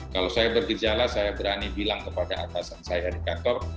kalau saya bergejala saya berani bilang kepada atasan saya di kantor